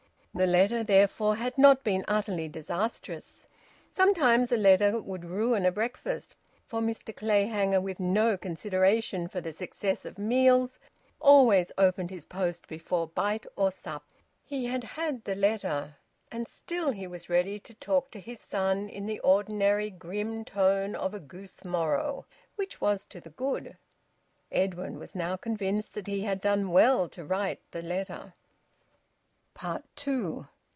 The letter therefore had not been utterly disastrous; sometimes a letter would ruin a breakfast, for Mr Clayhanger, with no consideration for the success of meals, always opened his post before bite or sup. He had had the letter, and still he was ready to talk to his son in the ordinary grim tone of a goose morrow. Which was to the good. Edwin was now convinced that he had done well to write the letter. TWO.